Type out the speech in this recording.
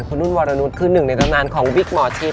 คุณนุ่นวรนุษย์คือหนึ่งในตำนานของวิกหมอชิป